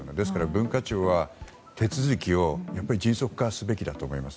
文化庁は、手続きを迅速化すべきだと思います。